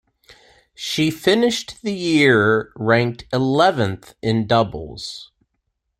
She finished the year ranked eleventh in doubles.